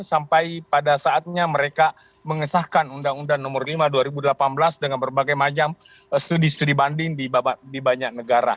sampai pada saatnya mereka mengesahkan undang undang nomor lima dua ribu delapan belas dengan berbagai macam studi studi banding di banyak negara